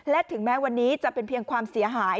และถึงแม้วันนี้จะเป็นเพียงความเสียหาย